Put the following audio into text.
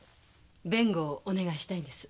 弁護をお願いしたいんです。